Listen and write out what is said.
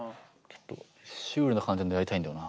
ちょっとシュールな感じでやりたいんだよな。